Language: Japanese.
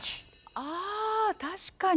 あ確かに。